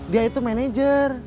dia itu manajer